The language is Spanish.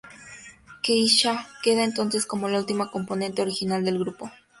Keisha queda entonces como la última componente original del grupo.